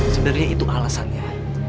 sebenarnya itu alasannya